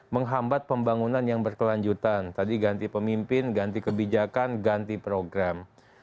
menghambat pembangunan yang berkelanjutan tadi ganti pemimpin ganti kebijakan ganti program